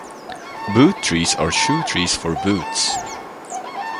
Boot trees are shoe trees for boots.